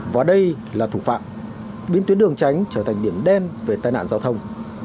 và đây là thủ phạm biến tuyến đường tránh trở thành điểm đen về tai nạn giao thông